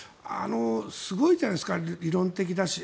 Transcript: すごいじゃないですか理論的だし。